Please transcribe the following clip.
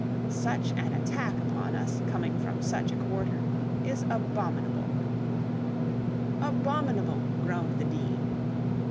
Such an attack upon us, coming from such a quarter, is abominable.' 'Abominable,' groaned the dean.